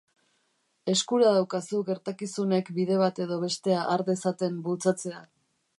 Eskura daukazu gertakizunek bide bat edo bestea har dezaten bultzatzea.